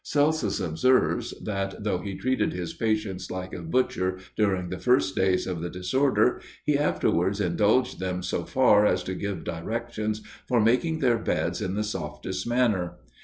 Celsus observes, that though he treated his patients like a butcher during the first days of the disorder, he afterwards indulged them so far as to give directions for making their beds in the softest manner.